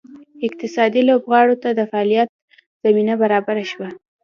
اقتصادي لوبغاړو ته د فعالیت زمینه برابره شوه.